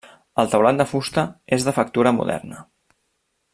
El teulat de fusta és de factura moderna.